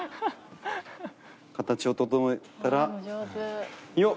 形を整えたらよっ。